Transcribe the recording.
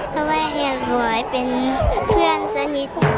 เพราะว่าเพียร์บอยเป็นเพื่อนสนิท